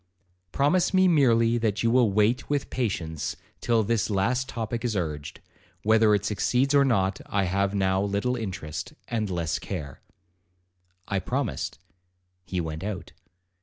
'Promise me merely that you will wait with patience till this last topic is urged; whether it succeeds or not I have now little interest, and less care.' I promised,—he went out.